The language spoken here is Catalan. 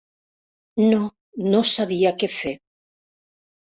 No, no sabia què fer.